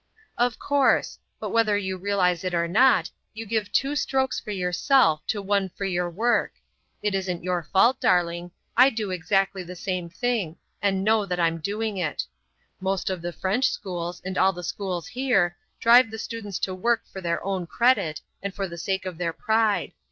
"Of course; but, whether you realise it or not, you give two strokes for yourself to one for your work. It isn't your fault, darling. I do exactly the same thing, and know that I'm doing it. Most of the French schools, and all the schools here, drive the students to work for their own credit, and for the sake of their pride.